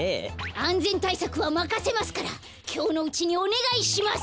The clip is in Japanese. あんぜんたいさくはまかせますからきょうのうちにおねがいします。